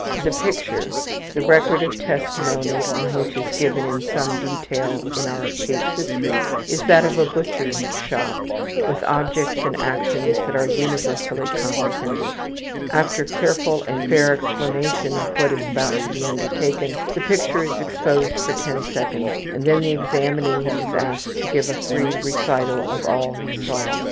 The picture, the record of testimony on which is given in some detail in our case histories, is that of a butcher's shop with objects and actions that are universally comprehended. After careful and fair explanation of what is about to be undertaken, the picture is exposed for ten seconds, and then the examinee is asked to give a free recital of all he saw.